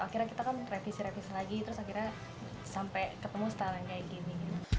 akhirnya kita kan revisi revisi lagi terus akhirnya sampai ketemu stylenya kayak gini